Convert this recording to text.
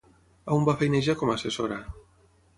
On va feinejar com a assessora?